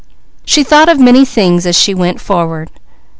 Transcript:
She thought of many things as she went forward.